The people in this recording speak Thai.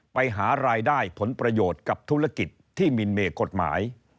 ไปหารายได้ผลประโยชน์กับธุรกิจที่มินเมกฎหมาย